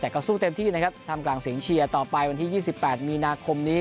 แต่ก็สู้เต็มที่นะครับทำกลางเสียงเชียร์ต่อไปวันที่๒๘มีนาคมนี้